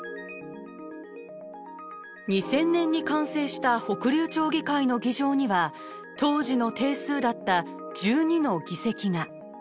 ２０００年に完成した北竜町議会の議場には当時の定数だった１２の議席が。